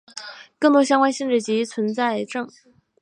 更多相关的性质及证明在。